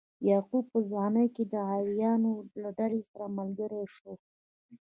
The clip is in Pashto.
یعقوب په ځوانۍ کې د عیارانو له ډلې سره ملګری شو.